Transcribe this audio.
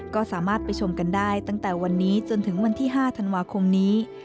ก็สามารถไปชมกันได้ตั้งแต่วันนี้จนถึงวันที่๕ธันวาคมนี้